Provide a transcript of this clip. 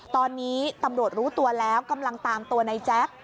ตอนนี้ตำรวจรู้ตัวแล้วกำลังตามตัวในแจ๊ค